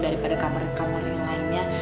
daripada kamar kamar yang lainnya